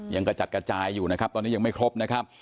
กระจัดกระจายอยู่นะครับตอนนี้ยังไม่ครบนะครับ